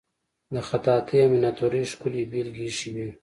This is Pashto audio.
د خطاطی او میناتوری ښکلې بیلګې ایښې وې.